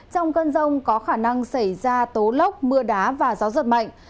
trong cơn rông có khả năng xảy ra tố lốc mưa đá và gió giật mạnh